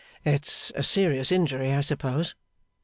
'It's a serious injury, I suppose?